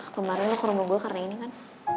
kemaren lo ke rumah gue karena ini kan